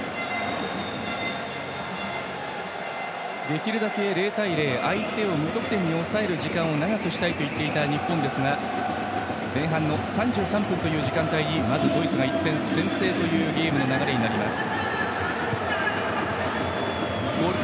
できるだけ０対０相手を無得点に抑える時間を長くしたいと言っていた日本ですが前半の３３分という時間帯にまずドイツが１点先制というゲームの流れになります。